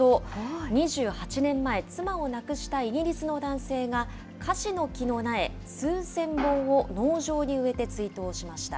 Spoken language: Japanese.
２８年前、妻を亡くしたイギリスの男性が、かしの木の苗数千本を農場に植えて追悼しました。